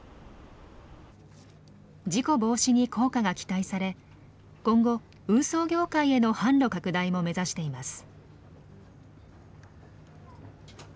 事故防止に効果が期待され今後運送業界への販路拡大も目指しています。